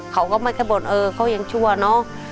เขาก็ไม่ค่อยบ่นเออเขายังชั่วเนอะ